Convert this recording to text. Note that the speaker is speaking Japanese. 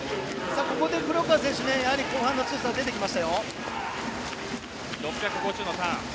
ここで黒川選手にやはり後半の強さが出てきましたよ。